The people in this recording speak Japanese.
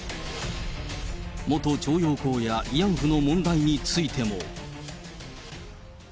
元徴用工や慰安婦の問題についても。